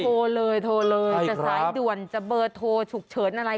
โทรเลยจะสายด่วนจะเบิดโทรฉุกเฉินอะไร